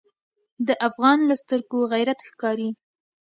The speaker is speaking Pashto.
د افغان له سترګو غیرت ښکاري.